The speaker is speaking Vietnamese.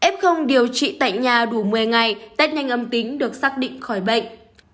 f điều trị tại nhà đủ một mươi ngày test nhanh âm tính được xác định khỏi bệnh